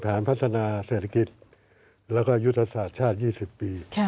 พัฒนาเศรษฐกิจแล้วก็ยุทธศาสตร์ชาติ๒๐ปี